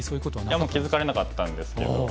いや気付かれなかったんですけど。